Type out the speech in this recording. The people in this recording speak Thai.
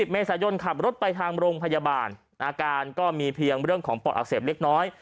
เมษายนขับรถไปทางโรงพยาบาลอาการก็มีเพียงเรื่องของปอดอักเสบเล็กน้อย